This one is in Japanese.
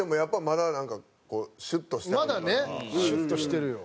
まだねシュッとしてるよ。